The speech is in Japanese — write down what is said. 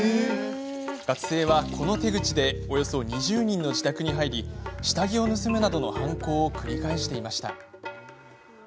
学生は、この手口でおよそ２０人の自宅に入り下着を盗むなどの犯行を繰り返していました。